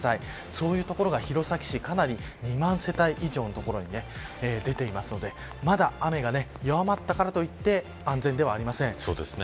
そういうところが弘前市２万世帯以上の所に出ていますのでまだ、雨が弱まったからといって安全ではありません。